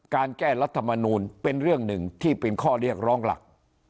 การแก้รัฐมนูลเป็นเรื่องหนึ่งที่เป็นข้อเรียกร้องหลัก